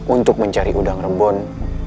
untuk mencari udang rebun